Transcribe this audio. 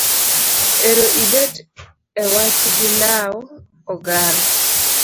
Ero ibet e wach gi law ogara